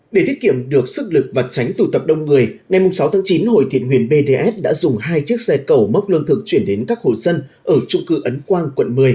để thiết kiệm được sức lực và tránh tụ tập đông người ngày sáu tháng chín hồ thiện huyền bds đã dùng hai chiếc xe cầu mốc lương thực chuyển đến các hộ dân ở trung cư ấn quang quận một mươi